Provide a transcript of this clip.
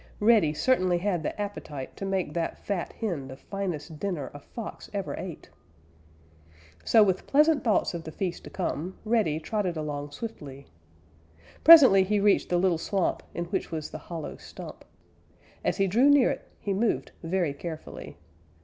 Reddy certainly had the appetite to make that fat hen the finest dinner a Fox ever ate. So, with pleasant thoughts of the feast to come, Reddy trotted along swiftly. Presently he reached the little swamp in which was the hollow stump. As he drew near it, he moved very carefully.